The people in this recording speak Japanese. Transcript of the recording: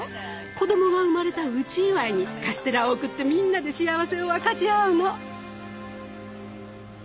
子供が生まれた内祝いにカステラを送ってみんなで幸せを分かち合うの。